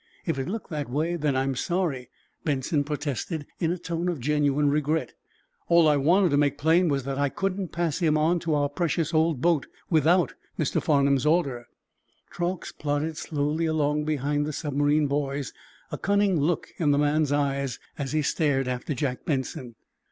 "If it looked that way, then I'm sorry," Benson protested, in a tone of genuine regret. "All I wanted to make plain was that I couldn't pass him on to our precious old boat without Mr. Farnum's order." Truax plodded slowly along behind the submarine boys, a cunning look in the man's eyes as he stared after Jack Benson.